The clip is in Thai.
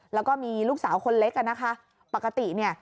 แล้วก็มีลูกสาวคนเล็กอ่ะนะคะปกติเนี่ย